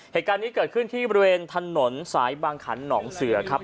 เหตุการณ์นี้เกิดขึ้นที่บริเวณถนนสายบางขันหนองเสือครับ